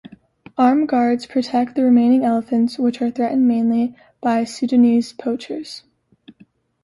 Armed guards protect the remaining elephants, which are threatened mainly by Sudanese poachers.